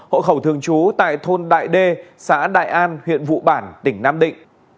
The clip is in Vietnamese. hộ khẩu thường trú tại thôn đại đê xã đại an huyện vụ bản tỉnh nam định